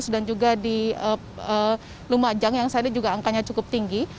dan juga di lumajang yang saat ini juga angkanya cukup tinggi